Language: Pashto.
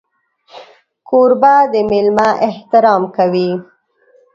کوربه د مېلمه احترام کوي.